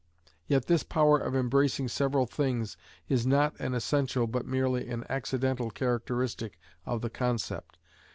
Yet this power of embracing several things is not an essential but merely an accidental characteristic of the concept.